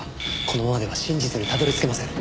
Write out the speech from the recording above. このままでは真実にたどり着けません。